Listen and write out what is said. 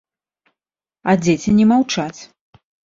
А дзеці не маўчаць.